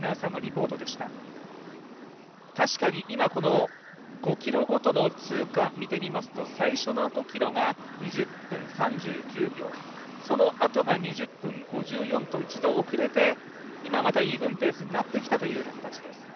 確かに今この５ｋｍごとの通過見てみますと最初の５ｋｍが２０分３９秒そのあとが２０分５４と一度遅れて今またイーブンペースになってきたという感じです。